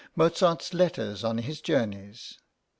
Mozart's letters on his journeys.